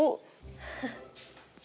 kirain apaan tante